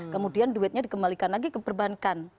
kemudian duitnya dikembalikan lagi ke perbankan